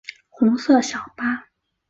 红色小巴